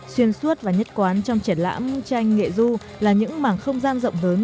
xuyên suốt và nhất quán trong triển lãm tranh nghệ du là những mảng không gian rộng lớn